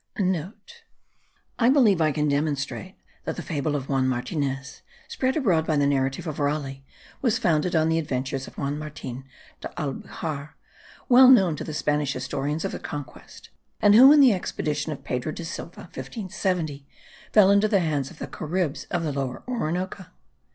(* I believe I can demonstrate that the fable of Juan Martinez, spread abroad by the narrative of Raleigh, was founded on the adventures of Juan Martin de Albujar, well known to the Spanish historians of the Conquest; and who, in the expedition of Pedro de Silva (1570), fell into the hands of the Caribs of the Lower Orinoco.